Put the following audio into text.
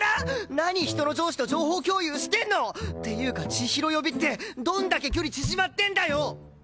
何人の上司と情報共有してんの！っていうか千尋呼びってどんだけ距離縮まってんだよ！